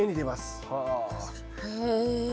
へえ。